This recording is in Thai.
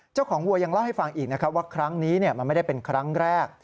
วัวยังเล่าให้ฟังอีกนะครับว่าครั้งนี้มันไม่ได้เป็นครั้งแรก